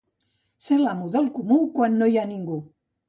Ser l'amo del comú quan no hi ha ningú.